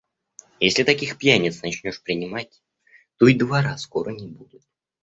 Если таких пьяниц начнешь принимать, то и двора скоро не будет.